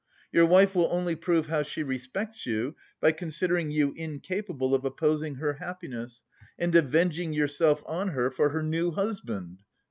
Your wife will only prove how she respects you by considering you incapable of opposing her happiness and avenging yourself on her for her new husband.